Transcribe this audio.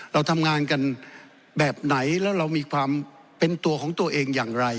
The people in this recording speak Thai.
เราทำงานกันแบบไหนแล้วเรามีความเป็นตัวของตัวเองอย่างไร